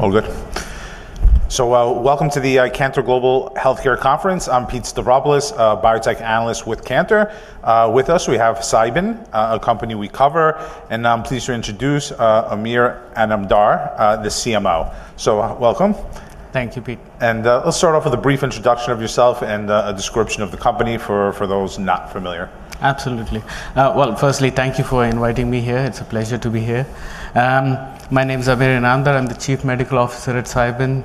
All good? Welcome to the Cantor Global Healthcare Conference. I'm Pete Stavropoulos, a biotech analyst with Cantor. With us, we have Cybin, a company we cover. I'm pleased to introduce Amir Inamdar, the Chief Medical Officer. Welcome. Thank you, Pete. Let's start off with a brief introduction of yourself and a description of the company for those not familiar. Absolutely. Firstly, thank you for inviting me here. It's a pleasure to be here. My name is Amir Inamdar. I'm the Chief Medical Officer at Cybin.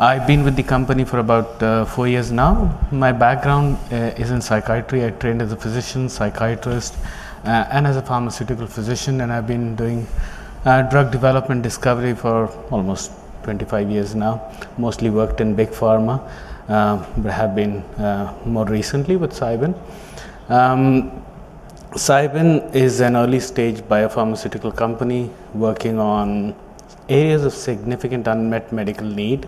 I've been with the company for about four years now. My background is in psychiatry. I trained as a physician, psychiatrist, and as a pharmaceutical physician. I've been doing drug development discovery for almost 25 years now, mostly worked in big pharma, but have been more recently with Cybin is an early-stage biopharmaceutical company working on areas of significant unmet medical need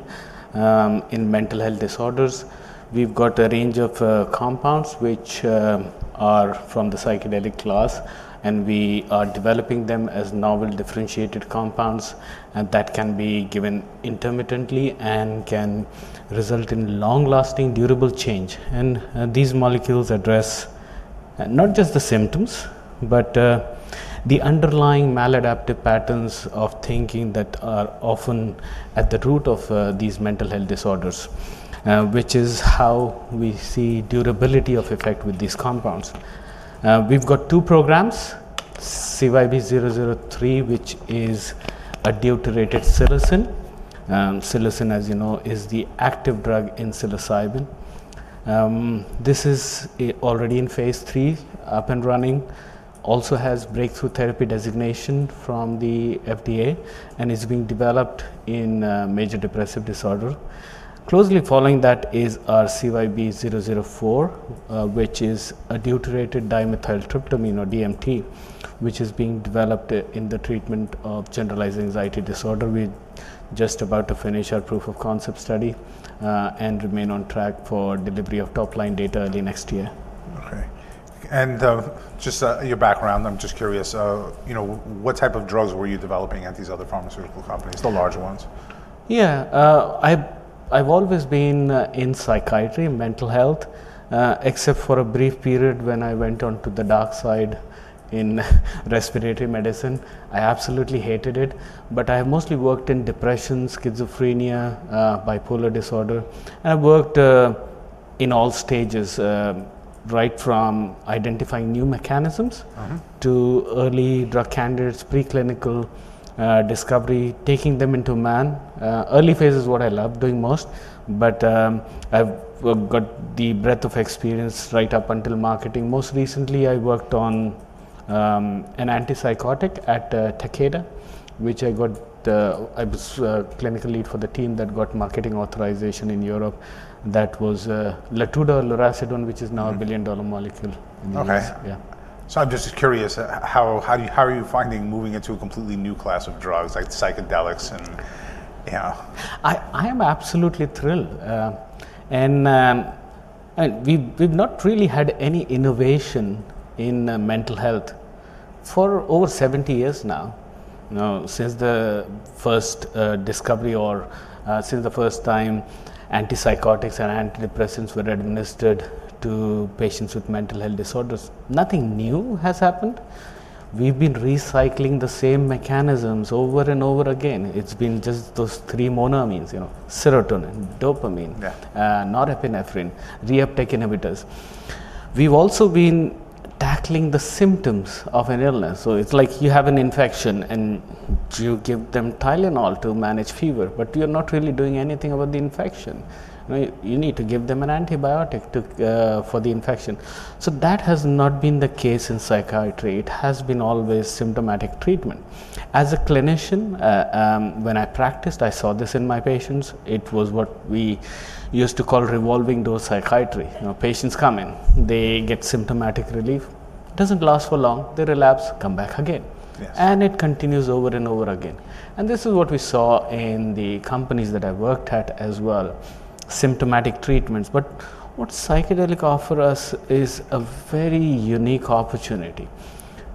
in mental health disorders. We've got a range of compounds which are from the psychedelic class, and we are developing them as novel differentiated compounds that can be given intermittently and can result in long-lasting, durable change. These molecules address not just the symptoms, but the underlying maladaptive patterns of thinking that are often at the root of these mental health disorders, which is how we see durability of effect with these compounds. We've got two programs, CYB003, which is a deuterated psilocin. Psilocin, as you know, is the active drug in psilocybin. This is already in phase 3, up and running. It also has breakthrough therapy designation from the FDA and is being developed in major depressive disorder. Closely following that is our CYB004, which is a deuterated dimethyltryptamine or DMT, which is being developed in the treatment of generalized anxiety disorder. We're just about to finish our proof-of-concept study and remain on track for delivery of top-line data early next year. OK. Just your background, I'm just curious, you know, what type of drugs were you developing at these other pharmaceutical companies, the larger ones? Yeah, I've always been in psychiatry and mental health, except for a brief period when I went onto the dark side in respiratory medicine. I absolutely hated it. I have mostly worked in depression, schizophrenia, bipolar disorder. I've worked in all stages, right from identifying new mechanisms to early drug candidates, preclinical discovery, taking them into man. Early phase is what I love doing most. I've got the breadth of experience right up until marketing. Most recently, I worked on an antipsychotic at Takeda, which I was clinical lead for the team that got marketing authorization in Europe. That was Latuda or lurasidone, which is now a billion-dollar molecule. I'm just curious, how are you finding moving into a completely new class of drugs, like psychedelics? I am absolutely thrilled. We've not really had any innovation in mental health for over 70 years now. Since the first discovery or since the first time antipsychotics and antidepressants were administered to patients with mental health disorders, nothing new has happened. We've been recycling the same mechanisms over and over again. It's been just those three monoamines, you know, serotonin, dopamine, norepinephrine, reuptake inhibitors. We've also been tackling the symptoms of an illness. It's like you have an infection and you give them Tylenol to manage fever, but you're not really doing anything about the infection. You need to give them an antibiotic for the infection. That has not been the case in psychiatry. It has been always symptomatic treatment. As a clinician, when I practiced, I saw this in my patients. It was what we used to call revolving-door psychiatry. Patients come in, they get symptomatic relief. It doesn't last for long. They relapse, come back again. It continues over and over again. This is what we saw in the companies that I worked at as well, symptomatic treatments. What psychedelics offer us is a very unique opportunity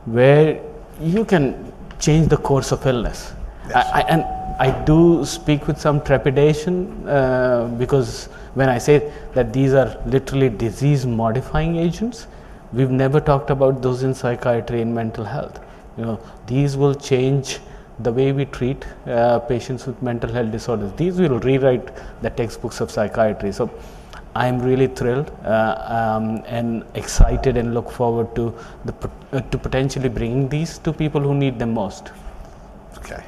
where you can change the course of illness. I do speak with some trepidation, because when I say that these are literally disease-modifying agents, we've never talked about those in psychiatry and mental health. These will change the way we treat patients with mental health disorders. These will rewrite the textbooks of psychiatry. I'm really thrilled and excited and look forward to potentially bringing these to people who need them most. OK.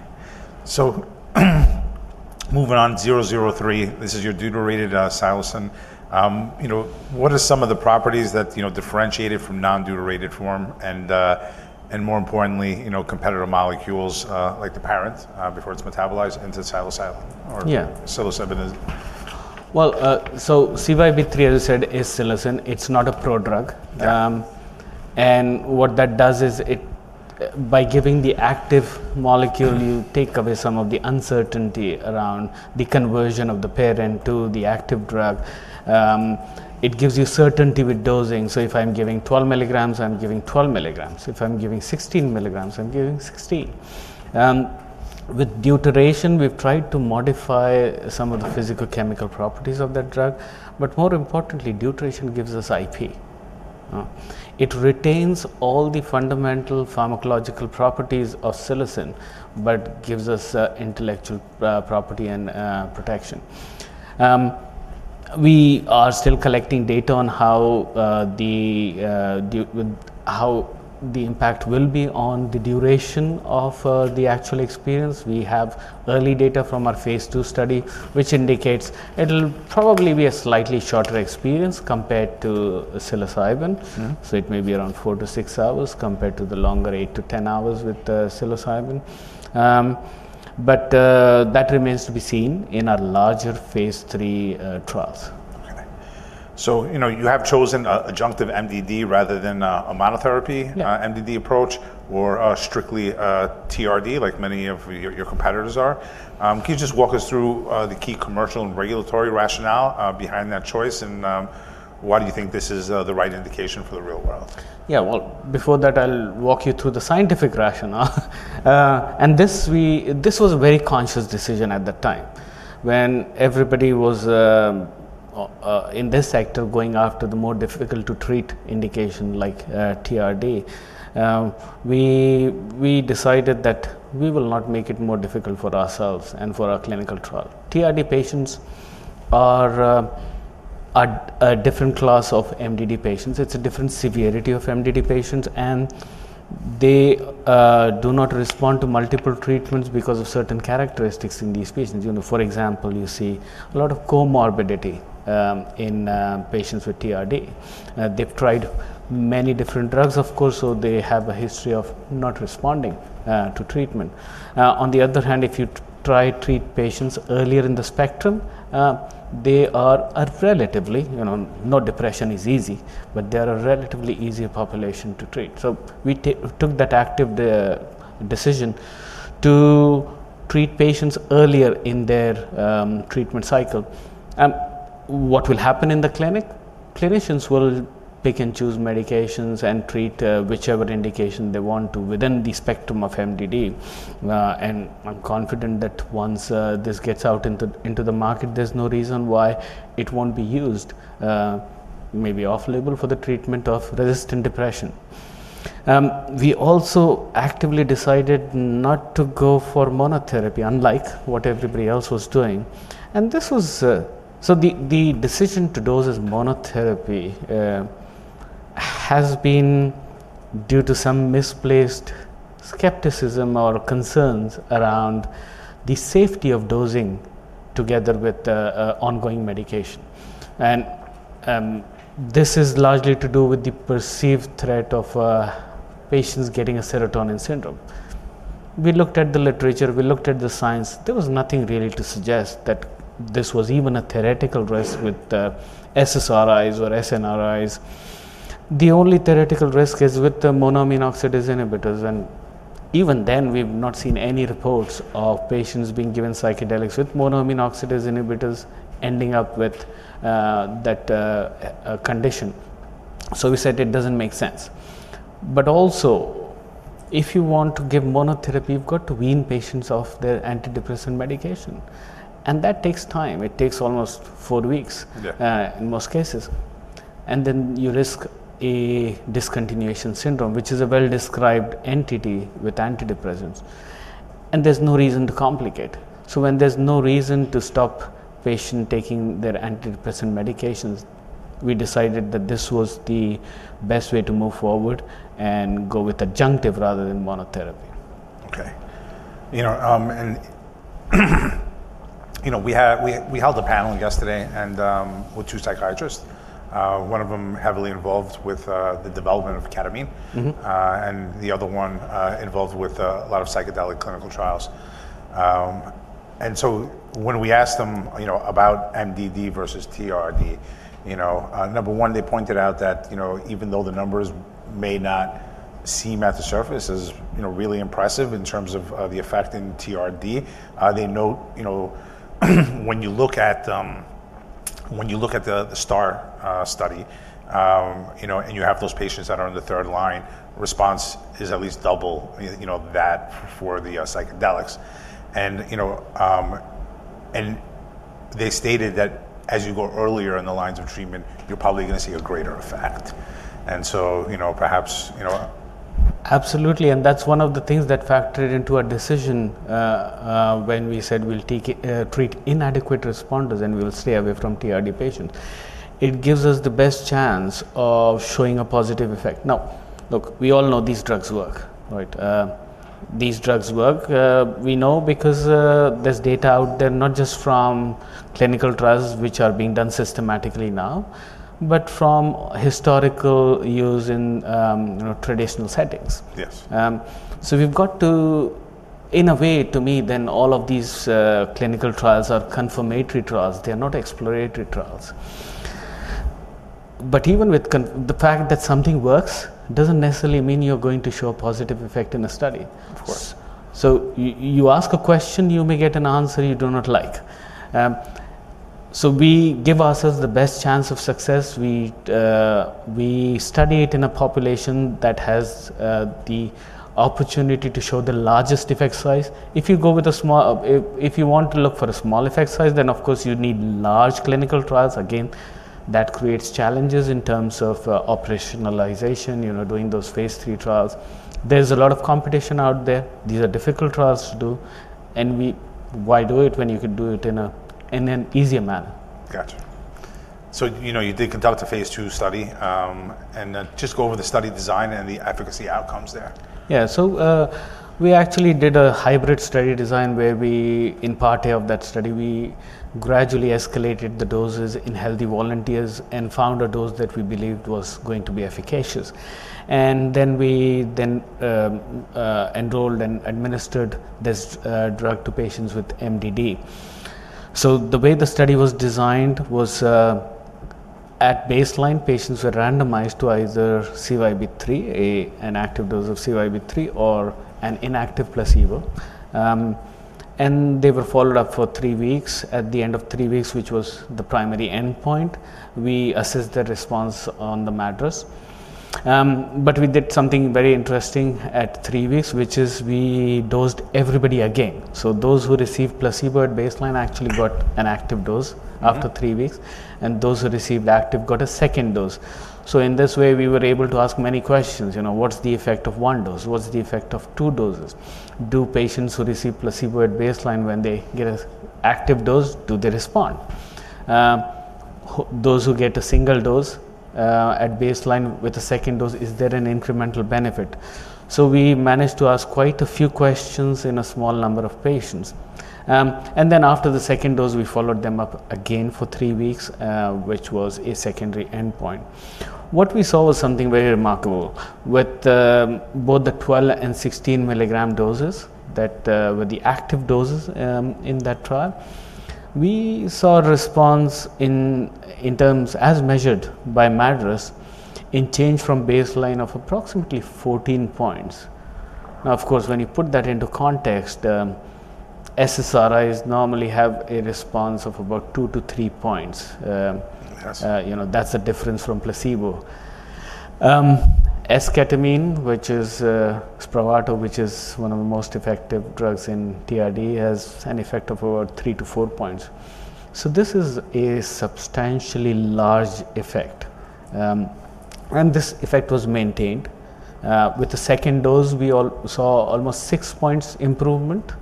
Moving on, CYB003, this is your deuterated psilocin. What are some of the properties that differentiate it from the non-deuterated form and, more importantly, competitor molecules like the parent before it's metabolized into psilocybin? Well. CYB003, as I said, is psilocin. It's not a prodrug. What that does is by giving the active molecule, you take away some of the uncertainty around the conversion of the parent to the active drug. It gives you certainty with dosing. If I'm giving 12 mg, I'm giving 12 mg. If I'm giving 16 mg, I'm giving 16. With deuteration, we've tried to modify some of the physicochemical properties of that drug. More importantly, deuteration gives us intellectual property. It retains all the fundamental pharmacological properties of psilocin, but gives us intellectual property and protection. We are still collecting data on how the impact will be on the duration of the actual experience. We have early data from our phase 2 study, which indicates it'll probably be a slightly shorter experience compared to psilocybin. It may be around four to six hours compared to the longer eight to 10 hours with psilocybin. That remains to be seen in our larger phase 3 trials. You have chosen adjunctive MDD rather than a monotherapy MDD approach or strictly TRD, like many of your competitors are. Can you just walk us through the key commercial and regulatory rationale behind that choice? Why do you think this is the right indication for the real world? Before that, I'll walk you through the scientific rationale. This was a very conscious decision at the time. When everybody was in this sector going after the more difficult-to-treat indication like TRD, we decided that we will not make it more difficult for ourselves and for our clinical trial. TRD patients are a different class of MDD patients. It's a different severity of MDD patients, and they do not respond to multiple treatments because of certain characteristics in these patients. For example, you see a lot of comorbidity in patients with TRD. They've tried many different drugs, of course, so they have a history of not responding to treatment. On the other hand, if you try to treat patients earlier in the spectrum, they are relatively—no depression is easy—but they're a relatively easier population to treat. We took that active decision to treat patients earlier in their treatment cycle. What will happen in the clinic? Clinicians will pick and choose medications and treat whichever indication they want within the spectrum of MDD. I'm confident that once this gets out into the market, there's no reason why it won't be used, maybe off-label, for the treatment of resistant depression. We also actively decided not to go for monotherapy, unlike what everybody else was doing. The decision to dose as monotherapy has been due to some misplaced skepticism or concerns around the safety of dosing together with ongoing medication. This is largely to do with the perceived threat of patients getting a serotonin syndrome. We looked at the literature. We looked at the science. There was nothing really to suggest that this was even a theoretical risk with SSRIs or SNRIs. The only theoretical risk is with the monoamine oxidase inhibitors. Even then, we've not seen any reports of patients being given psychedelics with monoamine oxidase inhibitors ending up with that condition. We said it doesn't make sense. If you want to give monotherapy, you've got to wean patients off their antidepressant medication. That takes time. It takes almost four weeks in most cases, and then you risk a discontinuation syndrome, which is a well-described entity with antidepressants. There's no reason to complicate. When there's no reason to stop patients taking their antidepressant medications, we decided that this was the best way to move forward and go with adjunctive rather than monotherapy. OK. We held a panel yesterday with two psychiatrists, one of them heavily involved with the development of ketamine and the other one involved with a lot of psychedelic clinical trials. When we asked them about MDD versus TRD, number one, they pointed out that even though the numbers may not seem at the surface as really impressive in terms of the effect in TRD, they note when you look at the STAR study, and you have those patients that are on the third line, response is at least double that for the psychedelics. They stated that as you go earlier in the lines of treatment, you're probably going to see a greater effect. Perhaps. Absolutely. That is one of the things that factored into our decision when we said we'll treat inadequate responders and we'll stay away from TRD patients. It gives us the best chance of showing a positive effect. We all know these drugs work, right? These drugs work, we know, because there's data out there, not just from clinical trials which are being done systematically now, but from historical use in traditional settings. Yes. To me, then all of these clinical trials are confirmatory trials. They're not exploratory trials. Even with the fact that something works, it doesn't necessarily mean you're going to show a positive effect in a study. Of course. You may get an answer you do not like if you ask a question. We give ourselves the best chance of success. We study it in a population that has the opportunity to show the largest effect size. If you want to look for a small effect size, then, of course, you need large clinical trials. That creates challenges in terms of operationalization, you know, doing those phase 3 trials. There's a lot of competition out there. These are difficult trials to do. Why do it when you could do it in an easier manner? Got you. You did conduct a phase 2 study. Just go over the study design and the efficacy outcomes there. Yeah, so we actually did a hybrid study design where we, in part of that study, gradually escalated the doses in healthy volunteers and found a dose that we believed was going to be efficacious. Then we enrolled and administered this drug to patients with MDD. The way the study was designed was at baseline, patients were randomized to either CYB003, an active dose of CYB003, or an inactive placebo. They were followed up for three weeks. At the end of three weeks, which was the primary endpoint, we assessed their response on the MADRS scale. We did something very interesting at three weeks, which is we dosed everybody again. Those who received placebo at baseline actually got an active dose after three weeks, and those who received active got a second dose. In this way, we were able to ask many questions. You know, what's the effect of one dose? What's the effect of two doses? Do patients who receive placebo at baseline, when they get an active dose, do they respond? Those who get a single dose at baseline with a second dose, is there an incremental benefit? We managed to ask quite a few questions in a small number of patients. After the second dose, we followed them up again for three weeks, which was a secondary endpoint. What we saw was something very remarkable. With both the 12 mg and 16 mg doses that were the active doses in that trial, we saw a response, as measured by MADRS, in change from baseline of approximately 14 points. Of course, when you put that into context, SSRIs normally have a response of about two to three points. Esketamine, which is Spravato, which is one of the most effective drugs in TRD, has an effect of about three to four points. This is a substantially large effect, and this effect was maintained. With the second dose, we saw almost six points improvement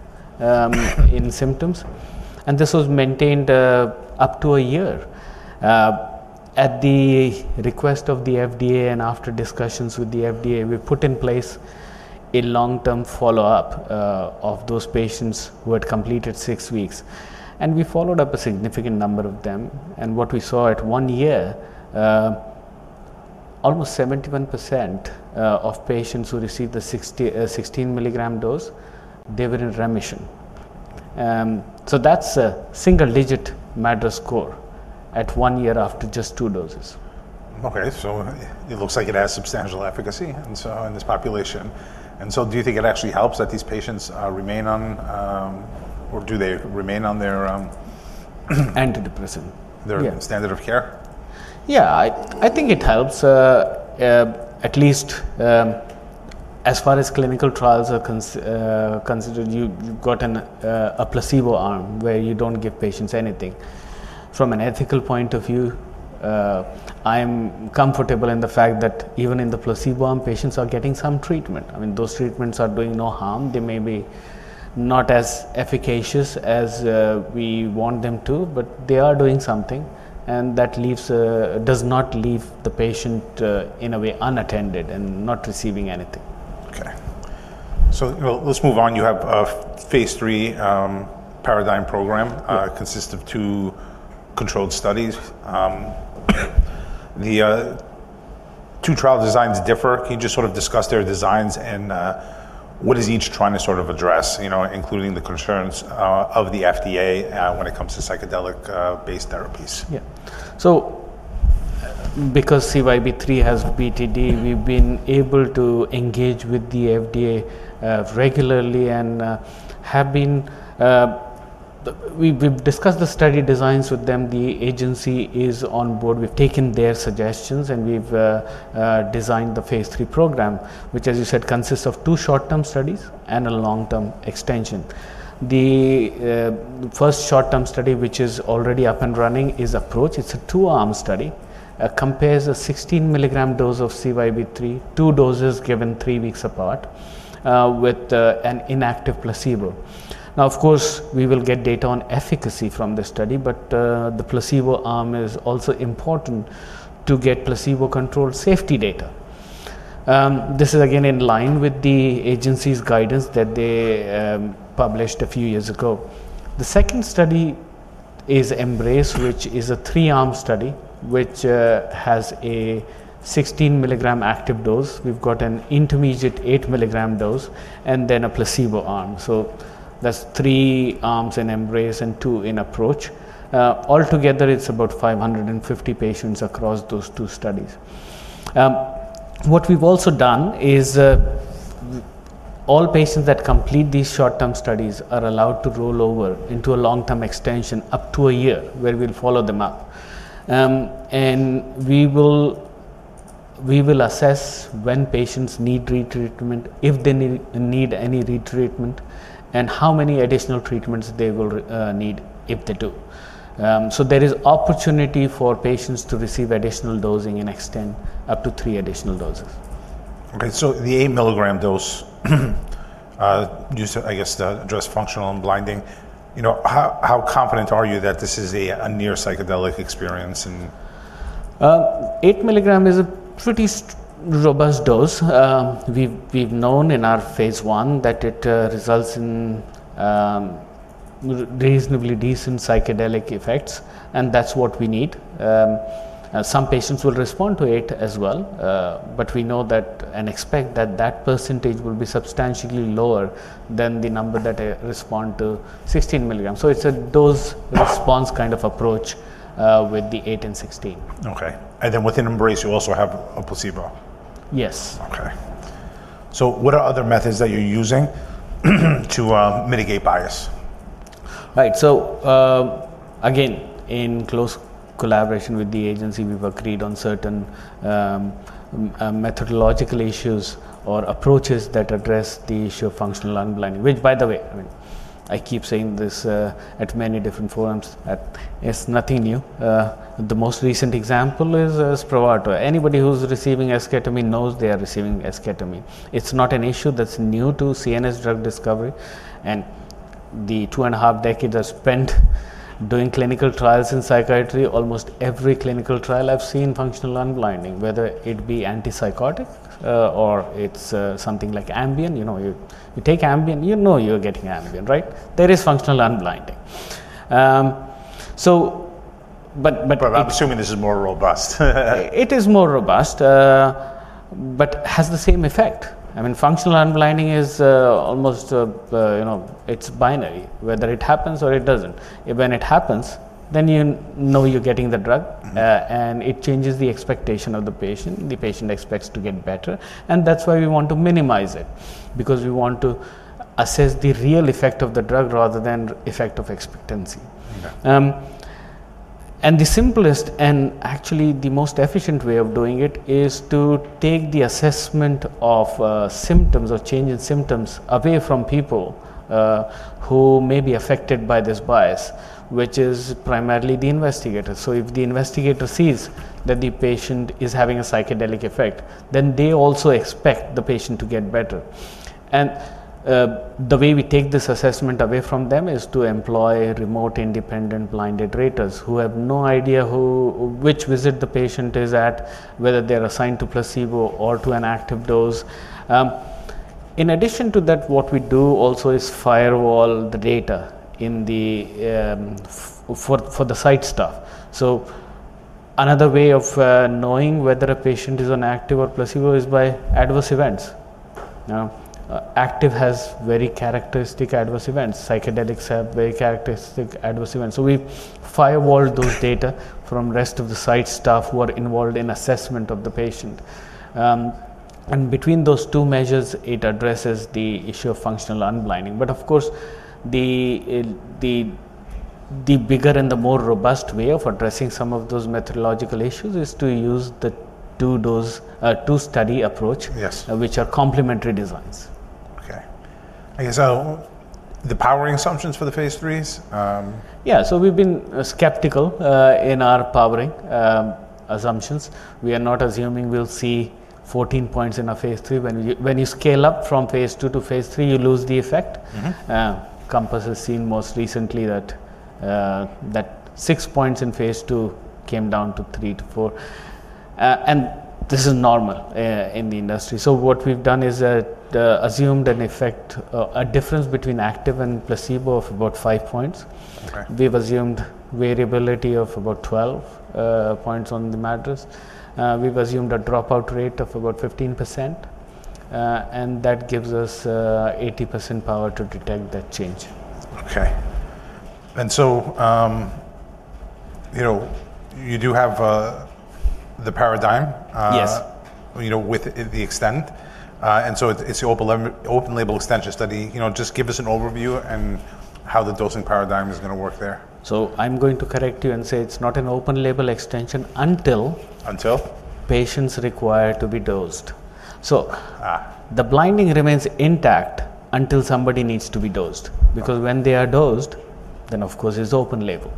in symptoms, and this was maintained up to a year. At the request of the FDA and after discussions with the FDA, we put in place a long-term follow-up of those patients who had completed six weeks. We followed up a significant number of them. What we saw at one year, almost 71% of patients who received the 16 mg dose, they were in remission. That's a single-digit MADRS score at one year after just two doses. OK, it looks like it has substantial efficacy in this population. Do you think it actually helps that these patients remain on, or do they remain on their antidepressant? Their standard of care? Yeah, I think it helps. At least as far as clinical trials are considered, you've got a placebo arm where you don't give patients anything. From an ethical point of view, I'm comfortable in the fact that even in the placebo arm, patients are getting some treatment. I mean, those treatments are doing no harm. They may be not as efficacious as we want them to, but they are doing something. That does not leave the patient in a way unattended and not receiving anything. OK. Let's move on. You have a phase 3 Paradigm program that consists of two controlled studies. The two trial designs differ. Can you just sort of discuss their designs and what is each trying to sort of address, including the concerns of the FDA when it comes to psychedelic-based therapies? Yeah. So because CYB003 has BTD, we've been able to engage with the FDA regularly and we've discussed the study designs with them. The agency is on board. We've taken their suggestions, and we've designed the phase 3 program, which, as you said, consists of two short-term studies and a long-term extension. The first short-term study, which is already up and running, is Approach. It's a two-arm study. It compares a 16 mg dose of CYB003, two doses given three weeks apart, with an inactive placebo. Of course, we will get data on efficacy from this study. The placebo arm is also important to get placebo control safety data. This is, again, in line with the agency's guidance that they published a few years ago. The second study is Embrace, which is a three-arm study, which has a 16 mg active dose. We've got an intermediate 8 mg dose and then a placebo arm. That's three arms in Embrace and two in Approach. Altogether, it's about 550 patients across those two studies. What we've also done is all patients that complete these short-term studies are allowed to roll over into a long-term extension up to a year where we'll follow them up. We will assess when patients need retreatment, if they need any retreatment, and how many additional treatments they will need if they do. There is opportunity for patients to receive additional dosing and extend up to three additional doses. OK, the 8 mg dose, I guess, to address functional unblinding, you know, how confident are you that this is a near psychedelic experience? 8 mg is a pretty robust dose. We've known in our phase 1 that it results in reasonably decent psychedelic effects. That's what we need. Some patients will respond to it as well. We know that and expect that that % will be substantially lower than the number that respond to 16 mg. It's a dose-response kind of approach with the 8 and 16. OK. Within Embrace, you also have a placebo? Yes. What are other methods that you're using to mitigate bias? Right. In close collaboration with the agency, we've agreed on certain methodological issues or approaches that address the issue of functional unblinding, which, by the way, I mean, I keep saying this at many different forums. It's nothing new. The most recent example is Spravato. Anybody who's receiving esketamine knows they are receiving esketamine. It's not an issue that's new to CNS drug discovery. In the two and a half decades I've spent doing clinical trials in psychiatry, almost every clinical trial I've seen functional unblinding, whether it be antipsychotic or it's something like Ambien. You know, you take Ambien, you know you're getting Ambien, right? There is functional unblinding. I'm assuming this is more robust. It is more robust, but has the same effect. I mean, functional unblinding is almost, you know, it's binary, whether it happens or it doesn't. When it happens, then you know you're getting the drug. It changes the expectation of the patient. The patient expects to get better. That's why we want to minimize it, because we want to assess the real effect of the drug rather than the effect of expectancy. The simplest and actually the most efficient way of doing it is to take the assessment of symptoms or change in symptoms away from people who may be affected by this bias, which is primarily the investigator. If the investigator sees that the patient is having a psychedelic effect, then they also expect the patient to get better. The way we take this assessment away from them is to employ remote independent blinded raters who have no idea which visit the patient is at, whether they're assigned to placebo or to an active dose. In addition to that, what we do also is firewall the data for the site staff. Another way of knowing whether a patient is on active or placebo is by adverse events. Active has very characteristic adverse events. Psychedelics have very characteristic adverse events. We firewall those data from the rest of the site staff who are involved in assessment of the patient. Between those two measures, it addresses the issue of functional unblinding. Of course, the bigger and the more robust way of addressing some of those methodological issues is to use the two study approach, which are complementary designs. OK. The powering assumptions for the phase threes? Yeah, so we've been skeptical in our powering assumptions. We are not assuming we'll see 14 points in a phase 3. When you scale up from phase 2 to phase 3, you lose the effect. Compass has seen most recently that six points in phase 2 came down to three to four. This is normal in the industry. What we've done is assumed an effect, a difference between active and placebo of about five points. We've assumed variability of about 12 points on the MADRS. We've assumed a dropout rate of about 15%. That gives us 80% power to detect that change. OK. You do have the Paradigm. Yes. With the Extent, it's the open-label extension study. Just give us an overview and how the dosing Paradigm is going to work there. I'm going to correct you and say it's not an open-label extension until. Until? Patients require to be dosed. The blinding remains intact until somebody needs to be dosed, because when they are dosed, then, of course, it's open-label.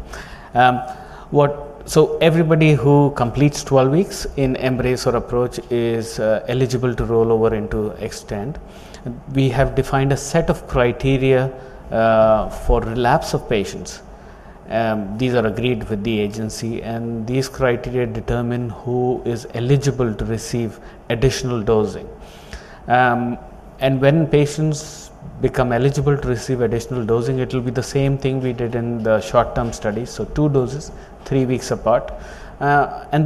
Everybody who completes 12 weeks in Embrace or Approach is eligible to roll over into Extent. We have defined a set of criteria for relapse of patients. These are agreed with the agency, and these criteria determine who is eligible to receive additional dosing. When patients become eligible to receive additional dosing, it'll be the same thing we did in the short-term studies: two doses, three weeks apart.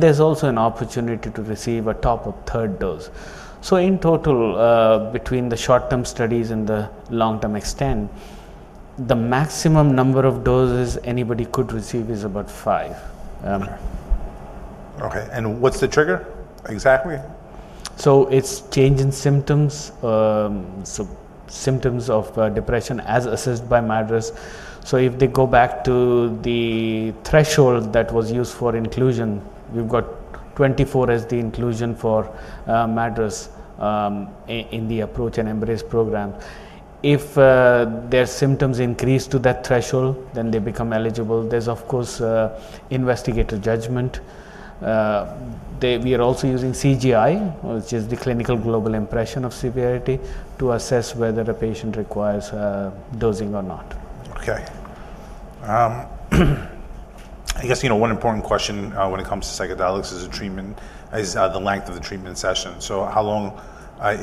There's also an opportunity to receive a top-up third dose. In total, between the short-term studies and the long-term Extent, the maximum number of doses anybody could receive is about five. OK. What’s the trigger exactly? It's change in symptoms, so symptoms of depression as assessed by MADRS. If they go back to the threshold that was used for inclusion, we've got 24 as the inclusion for MADRS in the Approach and Embrace program. If their symptoms increase to that threshold, then they become eligible. There's, of course, investigator judgment. We are also using CGI, which is the Clinical Global Impression of severity, to assess whether a patient requires dosing or not. OK. I guess, you know, one important question when it comes to psychedelics is the treatment, is the length of the treatment session. How long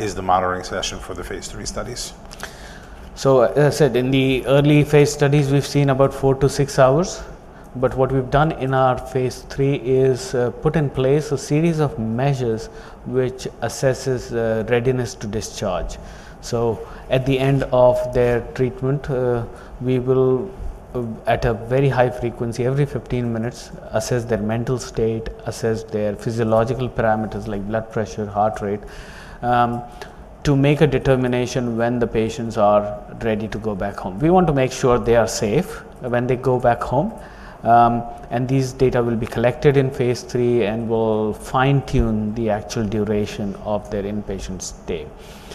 is the monitoring session for the phase 3 studies? As I said, in the early phase studies, we've seen about four to six hours. What we've done in our phase 3 is put in place a series of measures which assess readiness to discharge. At the end of their treatment, we will, at a very high frequency, every 15 minutes, assess their mental state and assess their physiological parameters like blood pressure and heart rate to make a determination when the patients are ready to go back home. We want to make sure they are safe when they go back home. These data will be collected in phase 3 and will fine-tune the actual duration of their inpatient stay.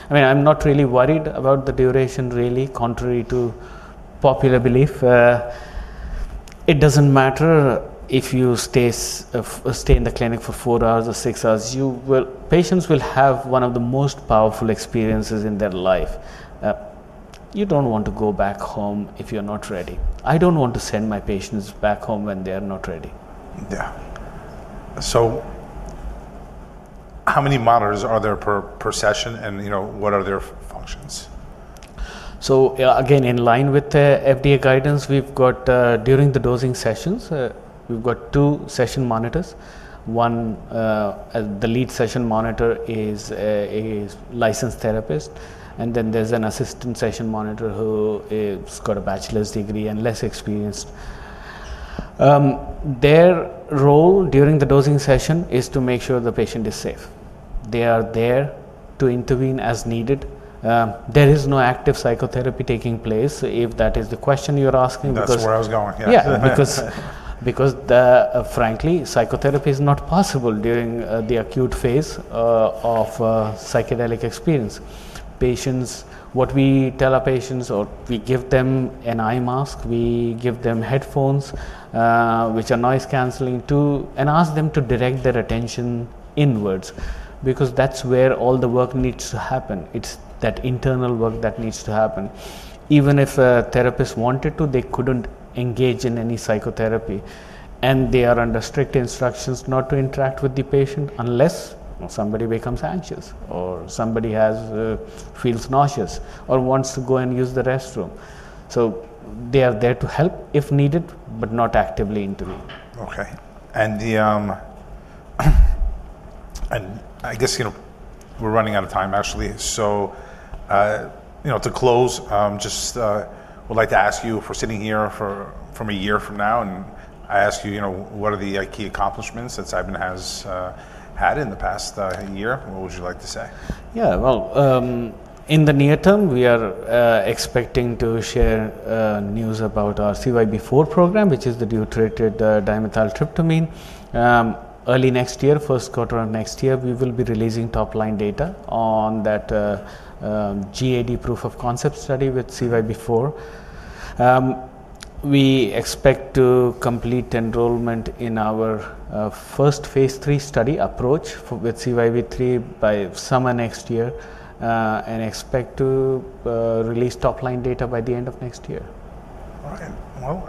I'm not really worried about the duration, really, contrary to popular belief. It doesn't matter if you stay in the clinic for four hours or six hours. Patients will have one of the most powerful experiences in their life. You don't want to go back home if you're not ready. I don't want to send my patients back home when they're not ready. Yeah. How many monitors are there per session, and what are their functions? In line with the FDA guidance, we've got, during the dosing sessions, two session monitors. The lead session monitor is a licensed therapist, and then there's an assistant session monitor who has got a bachelor's degree and is less experienced. Their role during the dosing session is to make sure the patient is safe. They are there to intervene as needed. There is no active psychotherapy taking place, if that is the question you're asking. That's where I was going. Yeah, because, frankly, psychotherapy is not possible during the acute phase of psychedelic experience. What we tell our patients is we give them an eye mask, we give them headphones, which are noise-canceling too, and ask them to direct their attention inwards, because that's where all the work needs to happen. It's that internal work that needs to happen. Even if a therapist wanted to, they couldn't engage in any psychotherapy. They are under strict instructions not to interact with the patient unless somebody becomes anxious or somebody feels nauseous or wants to go and use the restroom. They are there to help if needed, but not actively intervene. OK. I guess we're running out of time, actually. To close, just would like to ask you if we're sitting here a year from now and I ask you, what are the key accomplishments that Cybin has had in the past year? What would you like to say? In the near term, we are expecting to share news about our CYB004 program, which is the deuterated dimethyltryptamine. Early next year, first quarter of next year, we will be releasing top-line data on that generalized anxiety disorder proof-of-concept study with CYB004. We expect to complete enrollment in our first phase 3 study, Approach, with CYB003 by summer next year and expect to release top-line data by the end of next year. All right.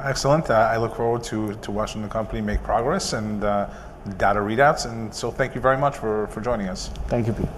Excellent. I look forward to watching the company make progress and the data read-outs. Thank you very much for joining us. Thank you, Pete.